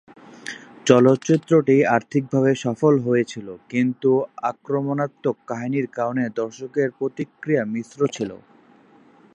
চলচ্চিত্রটি আর্থিকভাবে সফল হয়েছিল, কিন্তু আক্রমণাত্মক কাহিনীর কারণে দর্শকের প্রতিক্রিয়া মিশ্র ছিল।